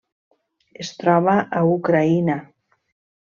Es troba a Ucraïna.